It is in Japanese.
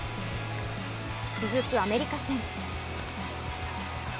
続くアメリカ戦。